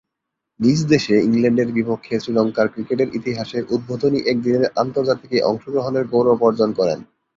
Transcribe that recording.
নিজদেশে ইংল্যান্ডের বিপক্ষে শ্রীলঙ্কার ক্রিকেটের ইতিহাসের উদ্বোধনী একদিনের আন্তর্জাতিকে অংশগ্রহণের গৌরব অর্জন করেন।